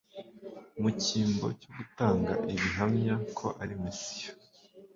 Mu cyimbo cyo gutanga ibihamya ko ari Mesiya,